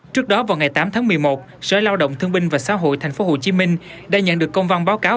trước đó vào ngày tám tháng một mươi một sở lao động thương binh và xã hội tp hcm đã nhận được công văn báo cáo